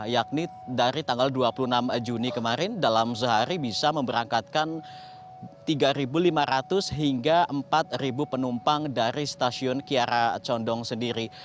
yakni dari tanggal dua puluh enam juni kemarin dalam sehari bisa memberangkatkan tiga lima ratus hingga empat penumpang dari stasiun kiara condong sendiri